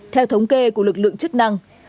theo thống kê của lực lượng chức năng